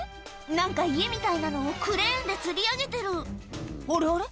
何か家みたいなのをクレーンでつり上げてるあれあれ？